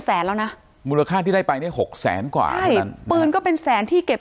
แสนแล้วนะมูลค่าที่ได้ไปเนี่ยหกแสนกว่าใช่ปืนก็เป็นแสนที่เก็บ